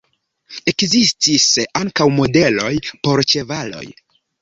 Ekzistis ankaŭ modeloj por ĉevaloj.